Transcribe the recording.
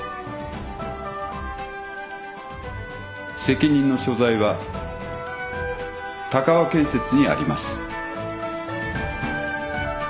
責任の所在は鷹和建設にあります。